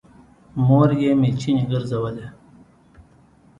مور يې مېچنې ګرځولې